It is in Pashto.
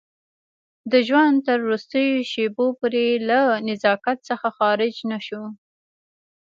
د ژوند تر وروستیو شېبو پورې له نزاکت څخه خارج نه شو.